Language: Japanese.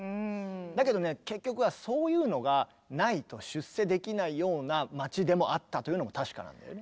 だけどね結局はそういうのがないと出世できないような街でもあったというのも確かなんだよね。